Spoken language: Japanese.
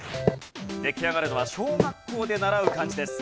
出来上がるのは小学校で習う漢字です。